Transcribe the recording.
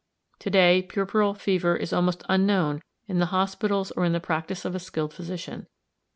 To day puerperal fever is almost unknown in the hospitals or in the practice of a skilled physician.